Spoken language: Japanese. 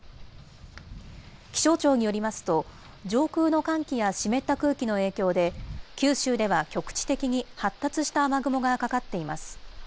気象庁によりますと、上空の寒気や湿った空気の影響で、九州では局地的に発達した雨雲がかかっています。